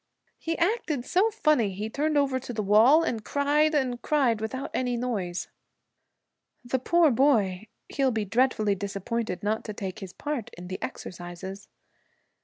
'He acted so funny. He turned over to the wall, and cried and cried without any noise.' 'The poor boy! He'll be dreadfully disappointed not to take his part in the exercises.'